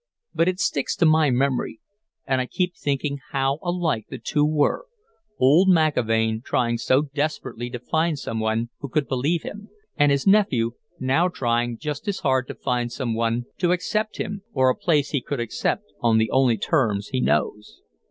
But it sticks to my memory, and I keep thinking how alike the two were old McIlvaine trying so desperately to find someone who could believe him, and his nephew now trying just as hard to find someone to accept him or a place he could accept on the only terms he knows."